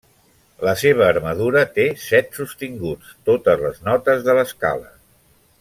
La seva armadura té set sostinguts, totes les notes de l'escala.